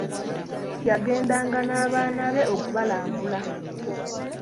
Yagendanga n'abaana be okubalambula.